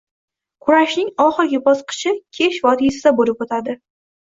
Kurashning oxirgi bosqichi Kesh vodiysida bo‘lib o‘tadi.